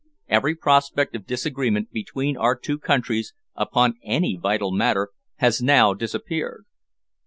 Every prospect of disagreement between our two countries upon any vital matter has now disappeared."